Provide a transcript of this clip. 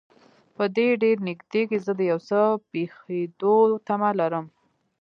په دې ډېر نږدې کې زه د یو څه پېښېدو تمه لرم.